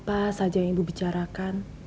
apa saja yang ibu bicarakan